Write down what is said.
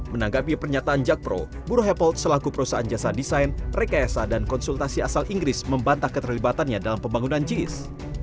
menanggapi pernyataan jakpro buru happlet selaku perusahaan jasa desain rekayasa dan konsultasi asal inggris membantah keterlibatannya dalam pembangunan jis